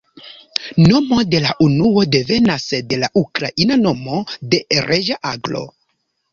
Nomo de la unuo devenas de la ukraina nomo de reĝa aglo.